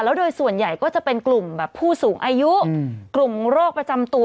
แล้วโดยส่วนใหญ่ก็จะเป็นกลุ่มแบบผู้สูงอายุกลุ่มโรคประจำตัว